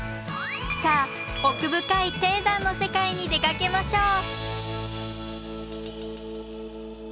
さあ奥深い低山の世界に出かけましょう。